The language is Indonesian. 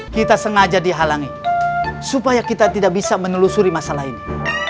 kita sengaja dihalangi supaya kita tidak bisa menelusuri masalah ini